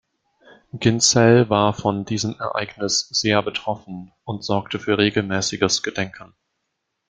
Ginzel war von diesem Ereignis sehr betroffen und sorgte für regelmäßiges Gedenken.